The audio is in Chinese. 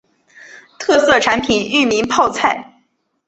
特色产品裕民泡菜。